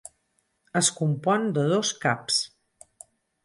Es compon de dos caps.